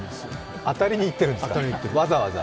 当たりにいってるんですか、わざわざ。